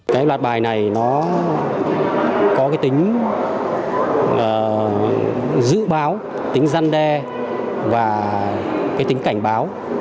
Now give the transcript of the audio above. cái loạt bài này nó có cái tính dự báo tính dân đe và cái tính cảnh báo